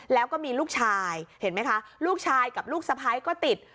แล้วก็มีลูกชายเห็นไหมคะลูกชายกับลูกสะพ้ายก็ติด